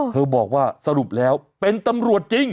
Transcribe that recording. บอกว่าสรุปแล้วเป็นตำรวจจริง